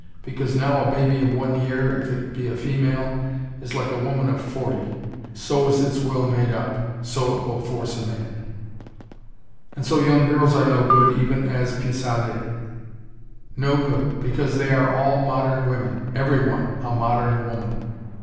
Because now a baby of one year, if it be a female, is like a woman of forty, so is its will made up, so it will force a man." "And so young girls are no good, even as a pis aller." "No good because they are all modern women. Every one, a modern woman.